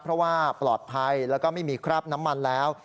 เพราะว่าปลอดภัยแล้วก็ไม่มีคราบน้ำมันแล้ว